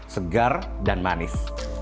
segar dan manis